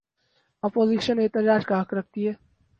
Opposition احتجاج کا حق رکھتی ہے۔